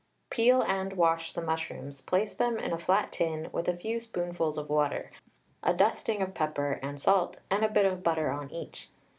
Peel and wash the mushrooms, place them in a flat tin with a few spoonfuls of water, a dusting of pepper and salt and a bit of butter on each.